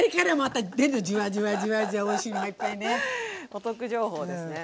お得情報ですね。